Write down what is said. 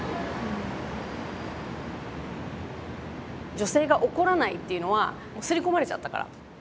女性が怒らないっていうのは刷り込まれちゃったから。